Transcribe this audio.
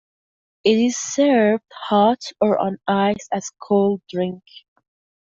It is served hot, or on ice as a cold drink.